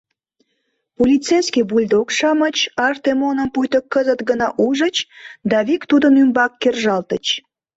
Полицейский бульдог-шамыч Артемоным пуйто кызыт гына ужыч да вик тудын ӱмбак кержалтыч.